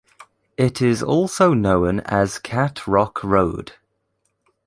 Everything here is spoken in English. It is also known as Cat Rock Road.